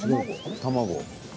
卵？